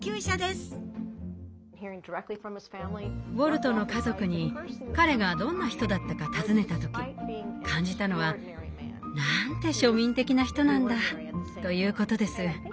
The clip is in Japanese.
ウォルトの家族に彼がどんな人だったか尋ねた時感じたのは「なんて庶民的な人なんだ」ということです。